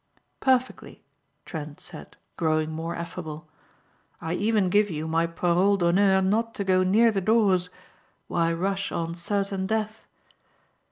"Perfectly," Trent said growing more affable. "I even give you my parole d'honneur not to go near the doors. Why rush on certain death?"